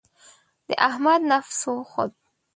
د احمد نفس وخوت.